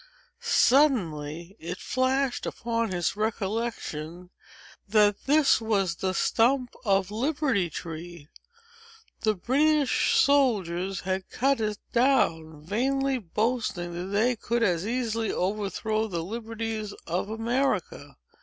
Suddenly, it flashed upon his recollection, that this was the stump of Liberty Tree! The British soldiers had cut it down, vainly boasting that they could as easily overthrow the liberties of America.